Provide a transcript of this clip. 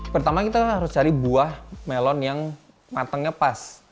pertama kita harus cari buah melon yang matangnya pas